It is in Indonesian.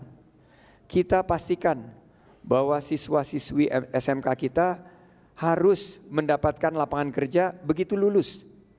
dan kami juga memastikan bahwa siswa siswi smk kita harus mendapatkan lapangan kerja begitu lulus